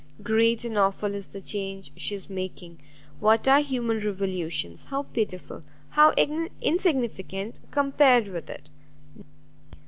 Great and aweful is the change she is making; what are human revolutions, how pitiful, how insignificant, compared with it!